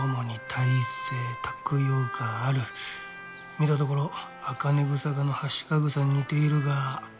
見たところ茜草科のハシカグサに似ているが。